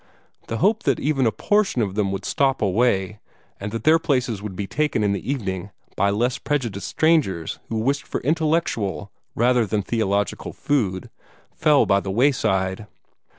The hope that even a portion of them would stop away, and that their places would be taken in the evening by less prejudiced strangers who wished for intellectual rather than theological food, fell by the wayside.